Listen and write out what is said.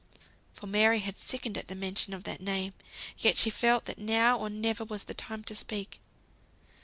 For Mary had sickened at the mention of that name; yet she felt that now or never was the time to speak.